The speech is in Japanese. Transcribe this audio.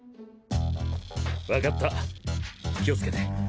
わかった気をつけて。